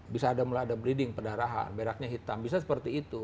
bisa ada mulai ada bleeding pendarahan beratnya hitam bisa seperti itu